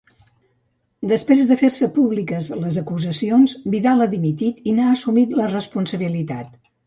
Després de fer-se públiques les acusacions, Vidal ha dimitit i n'ha assumit la responsabilitat.